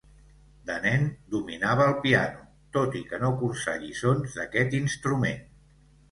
De nen dominava el piano, tot i que no cursà lliçons d'aquest instrument.